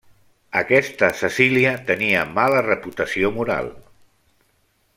Aquesta Cecília tenia mala reputació moral.